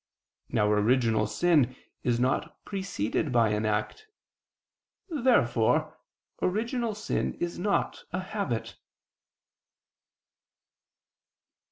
Now original sin is not preceded by an act. Therefore original sin is not a habit.